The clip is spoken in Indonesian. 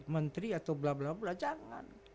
menteri atau blablabla jangan